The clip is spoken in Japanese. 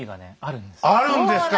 あるんですか？